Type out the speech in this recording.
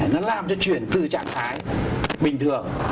nó làm cho chuyển từ trạng thái bình thường